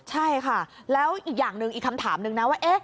ใช่ค่ะแล้วอีกอย่างหนึ่งอีกคำถามหนึ่งนะว่า